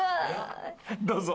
どうぞ。